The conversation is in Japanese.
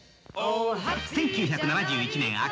◆１９７１年、秋。